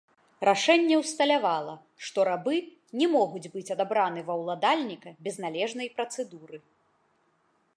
Рашэнне ўсталявала, што рабы не могуць быць адабраны ва ўладальніка без належнай працэдуры.